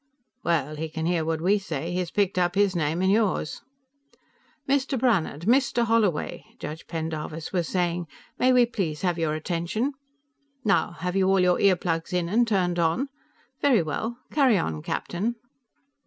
"Well, he can hear what we say; he's picked up his name and yours." "Mr. Brannhard, Mr. Holloway," Judge Pendarvis was saying, "may we please have your attention? Now, have you all your earplugs in and turned on? Very well; carry on, Captain."